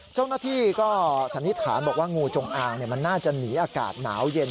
เจ้าหน้าที่ก็สันนิษฐานบอกว่างูจงอางมันน่าจะหนีอากาศหนาวเย็น